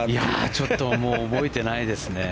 ちょっともう覚えてないですね。